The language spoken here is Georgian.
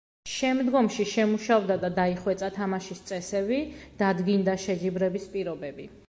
შემდგომში შემუშავდა და დაიხვეწა თამაშის წესები, დადგინდა შეჯიბრების პირობები.